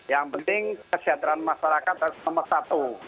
yang penting kesejahteraan masyarakat harus nomor satu